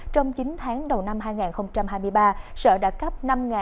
trong chín tháng đầu năm hai nghìn hai mươi ba sở đã cấp năm bốn trăm tám mươi ba